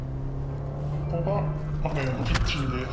ここが我が家のキッチンです。